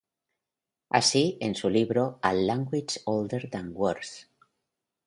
Así, en su libro "A Language Older Than Words".